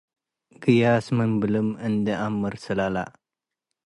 ገያስ ምን ብልም - እንዴ አምር ስለላ